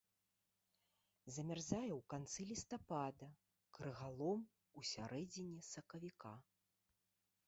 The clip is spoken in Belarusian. Замярзае ў канцы лістапада, крыгалом у сярэдзіне сакавіка.